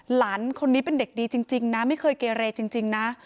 หลานคนนี้เป็นเด็กดีจริงนะไม่เคยเกเรจริงนะ